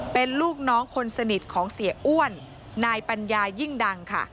เป็นลูกน้องคนสนิทของเสียอ้วนนายปัญญายิ่งดังค่ะ